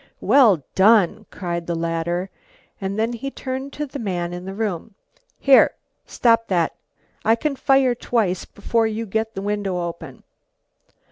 "Well done," cried the latter, and then he turned to the man in the room. "Here, stop that. I can fire twice before you get the window open."